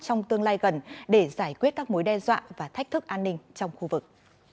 trong tương lai gần để giải quyết các mối đe dọa và thách thức an ninh trong khu vực